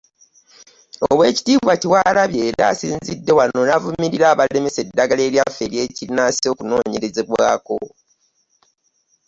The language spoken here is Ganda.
Oweekitiibwa Kyewalabye era asinzidde wano n'avumirira abalemesa eddagala eryaffe ery'ekinnansi okunoonyerezebwako